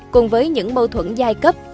cùng với những mâu thuẫn giai cấp